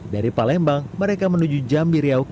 dari palembang mereka menuju jawa tenggara